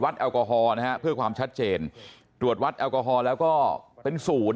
แอลกอฮอล์นะฮะเพื่อความชัดเจนตรวจวัดแอลกอฮอลแล้วก็เป็นศูนย์